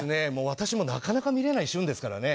私もなかなか見れない旬ですからね